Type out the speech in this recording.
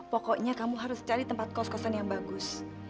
pokoknya kamu harus cari tempat kos kosan yang bagus